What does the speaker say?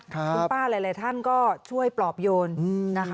คุณป้าหลายท่านก็ช่วยปลอบโยนนะคะ